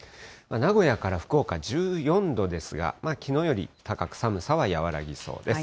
名古屋から福岡１４度ですが、きのうより高く寒さは和らぎそうです。